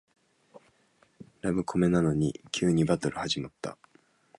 ラブコメなのに急にバトル始まった